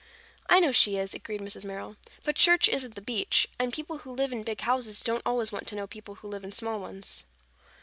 "I know she is," agreed Mrs. Merrill. "But church isn't the beach, and people who live in big houses don't always want to know people who live in small ones."